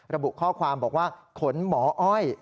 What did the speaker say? ระบุข้อความบอกว่าขนหมออ้อย